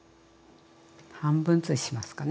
半分ずつしますかね。